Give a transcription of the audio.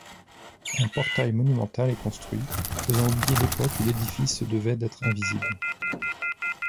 Un portail monumental est construit, faisant oublier l’époque où l’édifice se devait d’être invisible.